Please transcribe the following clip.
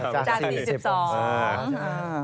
๑๒จาก๔๒